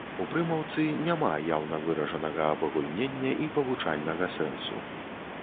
У прымаўцы няма яўна выражанага абагульнення і павучальнага сэнсу.